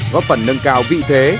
góp phần nâng cao vị thế